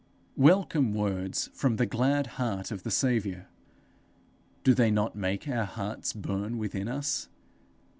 Welcome words from the glad heart of the Saviour! Do they not make our hearts burn within us?